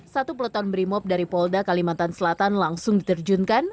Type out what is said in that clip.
satu peleton brimob dari polda kalimantan selatan langsung diterjunkan